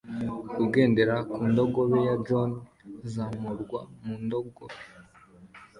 Ugendera ku ndogobe ya john azamurwa mu ndogobe